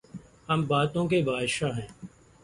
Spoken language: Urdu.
ہم باتوں کے بادشاہ ہیں۔